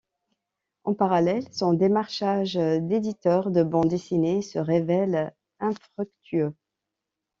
En parallèle, son démarchage d'éditeurs de bande dessinée se révèle infructueux.